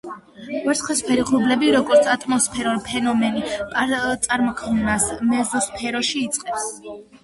ვერცხლისფერი ღრუბლები, როგორც ატმოსფეროს ფენომენი წარმოქმნას მეზოსფეროში იწყებს.